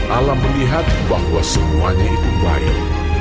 alam melihat bahwa semuanya itu baik